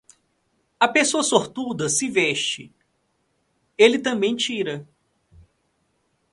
A pessoa sortuda se veste, ele também tira.